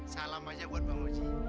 salam aja buat bang oji